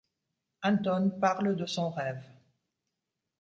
Anton parle de son rêve.